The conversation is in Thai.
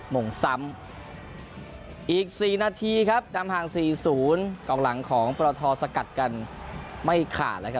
มงซ้ำอีก๔นาทีครับนำห่าง๔๐กองหลังของปรทสกัดกันไม่ขาดแล้วครับ